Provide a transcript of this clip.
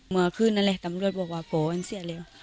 เมื่อกี้นั้นเลยตำรวจบอกว่าโกอะไรเส้นแล้ว